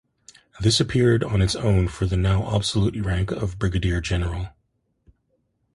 This appeared on its own for the now obsolete rank of brigadier-general.